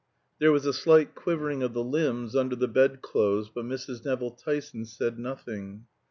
There was a slight quivering of the limbs under the bedclothes, but Mrs. Nevill Tyson said nothing.